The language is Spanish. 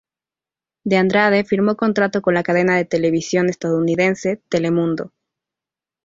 De Andrade firmó contrato con la cadena de televisión estadounidense Telemundo.